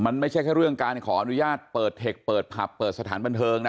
มันไม่ใช่แค่เรื่องการขออนุญาตเปิดเทคเปิดผับเปิดสถานบันเทิงนะ